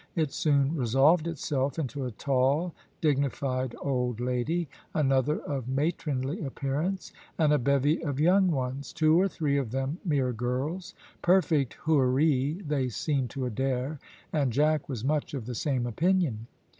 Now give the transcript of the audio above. It soon resolved itself into a tall, dignified old lady, another of matronly appearance, and a bevy of young ones; two or three of them mere girls; perfect Houris they seemed to Adair, and Jack was much of the same opinion.